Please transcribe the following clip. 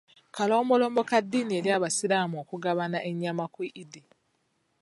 Kalombolombo ka ddiini eri abasiraamu okugabana ennyama ku Eid.